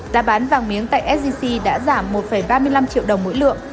giá bán vàng miếng tại sgc đã giảm một ba mươi năm triệu đồng mỗi lượng